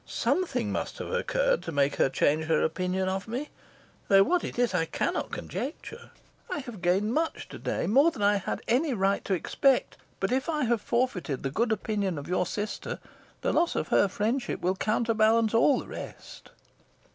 Something must have occurred to make her change her opinion of me, though what it is I cannot conjecture. I have gained much to day more than I had any right to expect; but if I have forfeited the good opinion of your sister, the loss of her friendship will counterbalance all the rest."